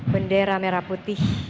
bendera merah putih